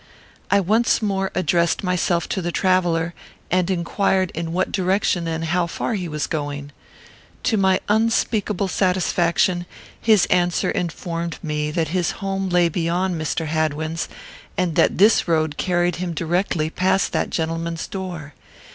I once more addressed myself to the traveller, and inquired in what direction and how far he was going. To my unspeakable satisfaction, his answer informed me that his home lay beyond Mr. Hadwin's, and that this road carried him directly past that gentleman's door.